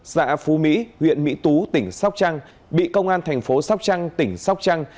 xã phú mỹ huyện mỹ tú tỉnh sóc trăng bị công an thành phố sóc trăng tỉnh sóc trăng